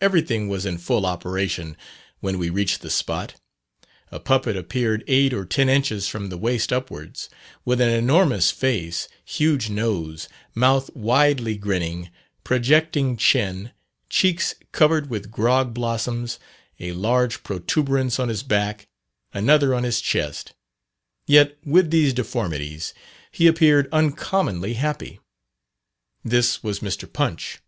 Everything was in full operation when we reached the spot. A puppet appeared eight or ten inches from the waist upwards, with an enormous face, huge nose, mouth widely grinning, projecting chin, cheeks covered with grog blossoms, a large protuberance on his back, another on his chest; yet with these deformities he appeared uncommonly happy. This was Mr. Punch.